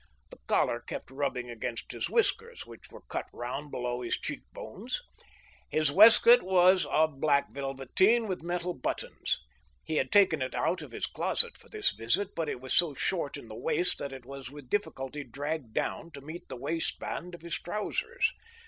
The collar kept rubbing against his^ whiskers, which were cut round below his cheek bones. His waistcoat was of black velveteen, with metal buttons. He had THE OVERTURE. 7 taken it out of his closet for this visit, but it was so short in the waist that it was with difficulty dragged down to meet the waist band of his trousers.